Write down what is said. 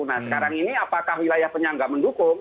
nah sekarang ini apakah wilayah penyangga mendukung